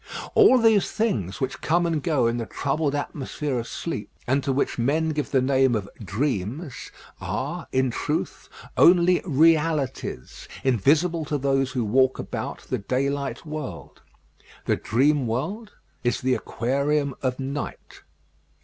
All these things which come and go in the troubled atmosphere of sleep, and to which men give the name of dreams, are, in truth, only realities invisible to those who walk about the daylight world. The dream world is the Aquarium of Night.